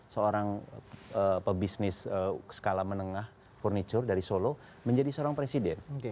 seorang pebisnis skala menengah furniture dari solo menjadi seorang presiden